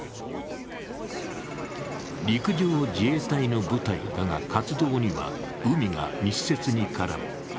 陸上自衛隊の部隊だが、海が密接に絡む。